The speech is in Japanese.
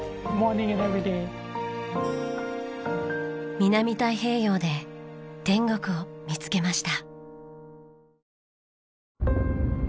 南太平洋で天国を見つけました。